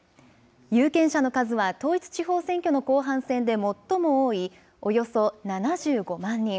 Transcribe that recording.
有権者の数は統一地方選挙の後半戦で最も多いおよそ７５万人。